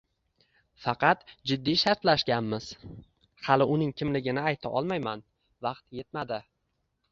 Faqat jiddiy shartlashganmiz, hali uning kimligini ayta olmayman, vaqti etmadi